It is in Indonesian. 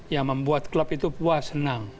yang membuat klub itu puas senang